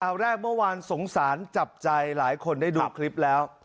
เอาแรกเมื่อวานสงสารจับใจหลายคนได้ดูคลิปแล้ว